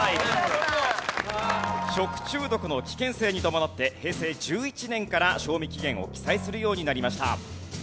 食中毒の危険性に伴って平成１１年から賞味期限を記載するようになりました。